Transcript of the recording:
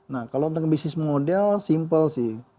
nah kalau untuk business model simple sih